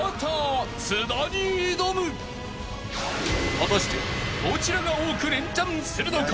［果たしてどちらが多くレンチャンするのか？］